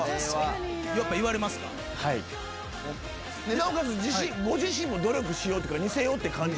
なおかつご自身も努力しようというか似せようっていう感じ？